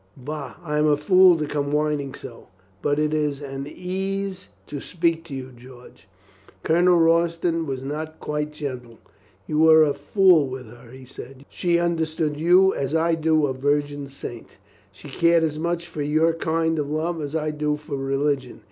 "Bah, I am a fool to come whining so, but it is an ease to speak to you, George." Colonel Royston was not gentle. "You were a fool with her," he said. "She understood you as I do a virgin saint. She cared as much for your kind of love as I do for religion.